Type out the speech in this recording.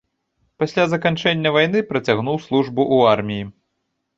Пасля заканчэння вайны працягнуў службу ў арміі.